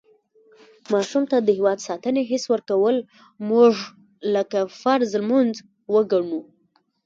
ماشوم ته د هېواد ساتنې حس ورکول مونږ لکه فرض لمونځ وګڼو.